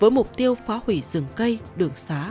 với mục tiêu phá hủy rừng cây đường xá